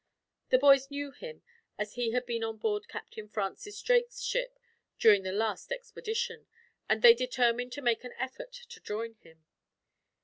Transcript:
The boys knew him, as he had been on board Captain Francis Drake's ship during the last expedition, and they determined to make an effort to join him.